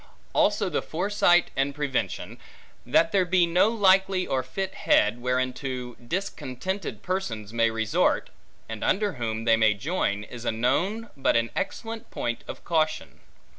Also the foresight and prevention, that there be no likely or fit head, whereunto discontented persons may resort, and under whom they may join, is a known, but an excellent point of caution.